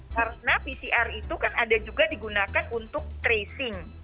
karena pcr itu kan ada juga digunakan untuk tracing